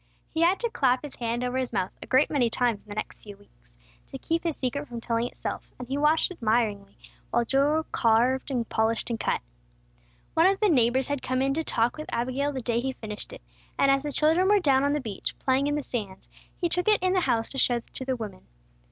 He had to clap his hand over his mouth a great many times in the next few weeks, to keep his secret from telling itself, and he watched admiringly while Joel carved and polished and cut. One of the neighbors had come in to talk with Abigail the day he finished it, and as the children were down on the beach, playing in the sand, he took it in the house to show to the women.